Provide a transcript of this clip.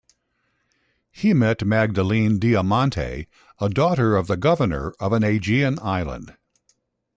He met Magdalene Diamanti, a daughter of the Governor of an Aegean island.